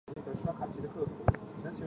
汉景帝时一度改称中大夫令。